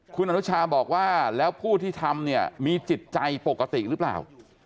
คุณอนุชาบอกว่าแล้วผู้ที่ทำเนี่ยมีจิตใจปกติหรือเปล่า